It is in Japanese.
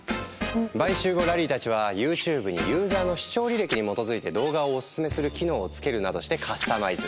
買収後ラリーたちはＹｏｕＴｕｂｅにユーザーの視聴履歴に基づいて動画をオススメする機能をつけるなどしてカスタマイズ！